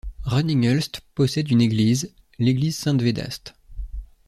Reningelst possède une église, l'église Saint-Védaste.